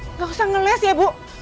nggak usah ngeles ya bu